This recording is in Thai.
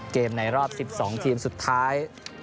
ในรอบ๑๒ทีมสุดท้าย